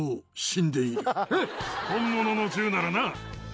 本物の銃ならな。